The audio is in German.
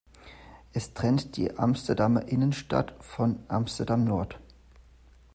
Es trennt die Amsterdamer Innenstadt von Amsterdam-Nord.